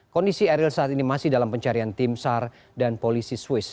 kondisi eril saat ini masih dalam pencarian tim sar dan polisi swiss